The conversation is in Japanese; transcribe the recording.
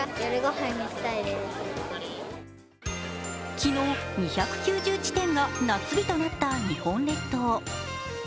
昨日、２９０地点が夏日となった日本列島。